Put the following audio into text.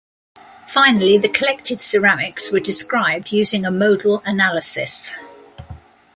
Finally, the collected ceramics were described using a modal analysis.